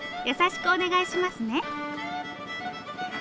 優しくお願いしますね。